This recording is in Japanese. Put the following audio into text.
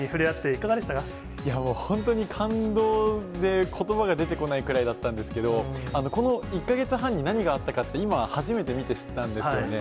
いや、本当に感動で、ことばが出てこないくらいだったんですけど、この１か月半に何があったかって、今、初めて見て知ったんですよね。